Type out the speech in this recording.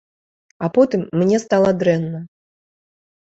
А потым мне стала дрэнна.